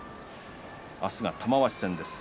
明日は玉鷲戦です。